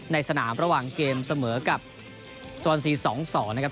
ในสนามระหว่างเกมเสมอกับโซนซี๒๒นะครับ